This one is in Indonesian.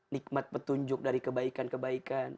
nikmat petunjuk dari kebaikan kebaikan